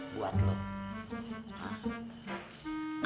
nih lo ambil buat lo